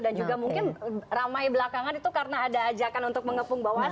dan juga mungkin ramai belakangan itu karena ada ajakan untuk mengepung bawah